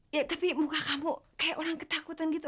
ya tapi muka kamu kayak orang ketakutan gitu